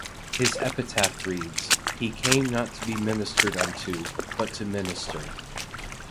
His epitaph reads: He came not to be ministered unto, but to minister.